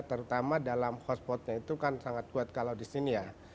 terutama dalam hotspotnya itu kan sangat kuat kalau di sini ya